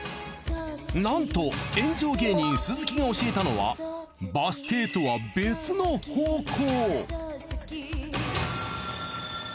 なんと炎上芸人鈴木が教えたのはバス停とは別の方向。